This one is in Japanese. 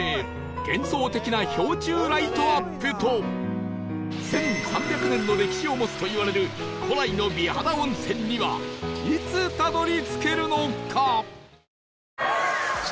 幻想的な氷柱ライトアップと１３００年の歴史を持つといわれる古来の美肌温泉にはいつたどり着けるのか？